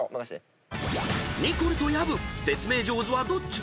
［ニコルと薮説明上手はどっちだ？］